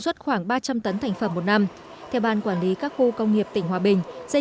suất khoảng ba trăm linh tấn thành phẩm một năm theo ban quản lý các khu công nghiệp tỉnh hòa bình dây